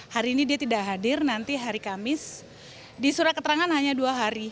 hari ini dia tidak hadir nanti hari kamis di surat keterangan hanya dua hari